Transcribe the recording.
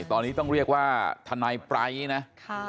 ตอนนี้ต้องเรียกว่าทนายปรายนะ